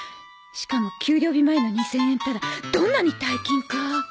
しかも給料日前の２０００円ったらどんなに大金か。